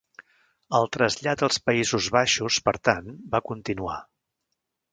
El trasllat als Països Baixos, per tant, va continuar.